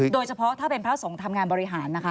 โดยเฉพาะถ้าเป็นพระสงฆ์ทำงานบริหารนะคะ